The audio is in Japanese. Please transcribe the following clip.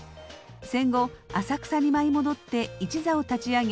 戦後浅草に舞い戻って一座を立ち上げ